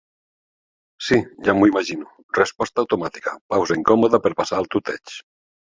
Sí, ja m'ho imagino —resposta automàtica, pausa incòmoda per passar al tuteig—.